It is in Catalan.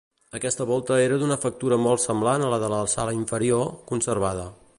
Aquesta volta era d'una factura molt semblant a la de la sala inferior, conservada.